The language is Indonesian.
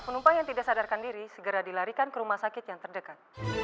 penumpang yang tidak sadarkan diri segera dilarikan ke rumah sakit yang terdekat